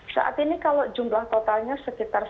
saat ini kalau jumlah totalnya sekitar satu ratus tujuh puluh dua